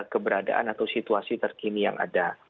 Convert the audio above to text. keberadaan atau situasi terkini yang ada